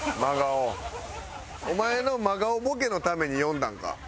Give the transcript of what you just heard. お前の真顔ボケのために呼んだんか？